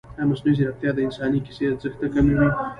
ایا مصنوعي ځیرکتیا د انساني کیسې ارزښت نه کموي؟